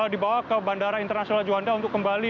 dibawa ke bandara internasional juanda untuk kembali